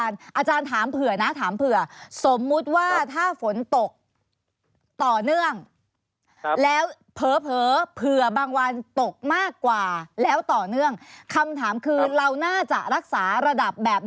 นะครับเวลามันลด